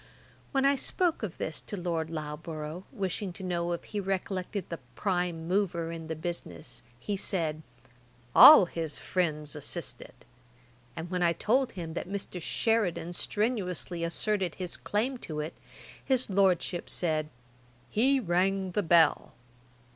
When I spoke of this to Lord Loughborough, wishing to know if he recollected the prime mover in the business, he said, 'All his friends assisted:' and when I told him that Mr. Sheridan strenuously asserted his claim to it, his Lordship said, 'He rang the bell.'